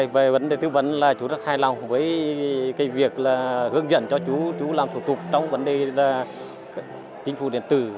về vấn đề tư vấn là chú rất hài lòng với việc hướng dẫn cho chú làm thủ tục trong vấn đề chính phủ điện tử